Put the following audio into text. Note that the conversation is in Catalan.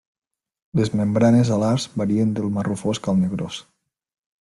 Les membranes alars varien del marró fosc al negrós.